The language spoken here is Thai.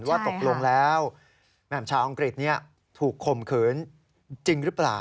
ว่าตกลงแล้วแม่งชาอังกฤษถูกคมเขินจริงรึเปล่า